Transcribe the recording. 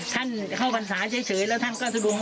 ท่านเข้าพรรษาเฉยแล้วท่านก็สะดุง